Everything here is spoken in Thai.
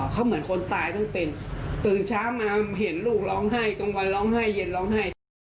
เขาเหมือนคนตายทั้งเป็นตื่นเช้ามาเห็นลูกร้องไห้กลางวันร้องไห้เย็นร้องไห้